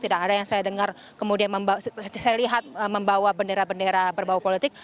tidak ada yang saya dengar kemudian saya lihat membawa bendera bendera berbau politik